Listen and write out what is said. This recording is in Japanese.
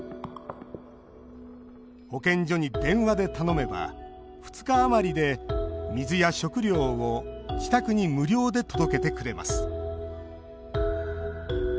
保健所に電話で頼めば２日あまりで、水や食料を自宅に無料で届けてくれます。